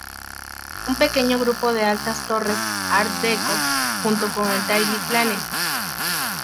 Un pequeño grupo de altas Torres Art-Deco junto con el "Daily Planet".